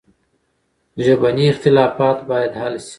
ژبني اختلافات باید حل سي.